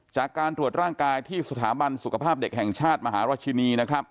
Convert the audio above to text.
จากการตรวจร่างกายที่สถาบันสุขภาพเด็กแห่งชาติมหาราชินีนะครับ